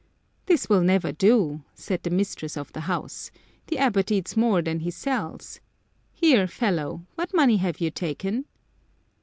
"This will never do," said the mistress of the house ;" the abbot eats more than he sells. Here, fellow, what money have you taken